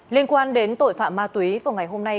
liên quan đến tội phạm ma túy vào ngày hôm nay